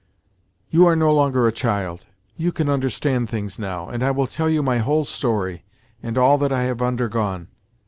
"You are no longer a child. You can understand things now, and I will tell you my whole story and all that I have undergone.